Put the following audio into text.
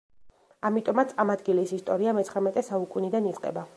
ამიტომაც ამ ადგილის ისტორია მეცხრამეტე საუკუნიდან იწყება.